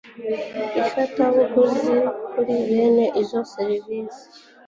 ifatabuguzi kuri bene izo serivisi